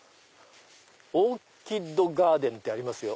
「オーキッドガーデン」ってありますよ。